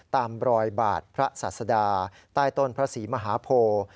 ตามรอยบาทพระศาสดาใต้ต้นพระศรีมหาโพ